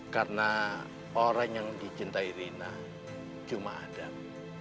karena orang yang dicintai rina cuma adam